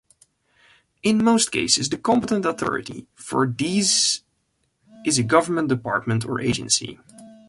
In most cases, the competent authority for these is a government department or agency.